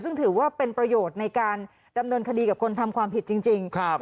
ซึ่งถือว่าเป็นประโยชน์ในการดำเนินคดีกับคนทำความผิดจริง